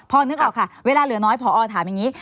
พอนึกออกค่ะเวลาเหลือน้อยพอถามอย่างนี้